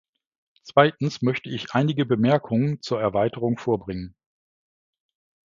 Zweitens möchte ich einige Bemerkungen zur Erweiterung vorbringen.